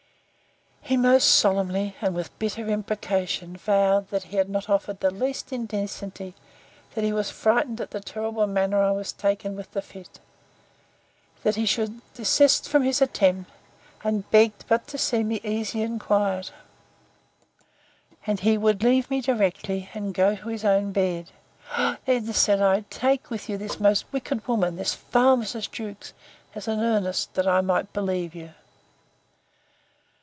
He most solemnly, and with a bitter imprecation, vowed, that he had not offered the least indecency; that he was frightened at the terrible manner I was taken with the fit: that he should desist from his attempt; and begged but to see me easy and quiet, and he would leave me directly, and go to his own bed. O then, said I, take with you this most wicked woman, this vile Mrs. Jewkes, as an earnest, that I may believe you!